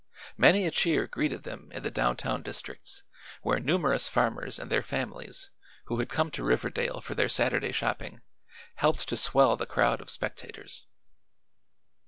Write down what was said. Many a cheer greeted them in the down town districts, where numerous farmers and their families, who had come to Riverdale for their Saturday shopping, helped to swell the crowd of spectators.